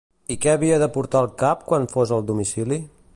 I què havia de portar al cap quan fos al domicili?